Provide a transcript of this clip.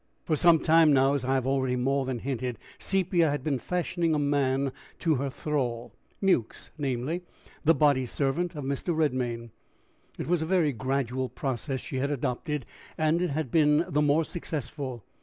For some time now, as I have already more than hinted, Sepia had been fashioning a man to her thrall Mewks, namely, the body servant of Mr. Redmain. It was a very gradual process she had adopted, and it had been the more successful.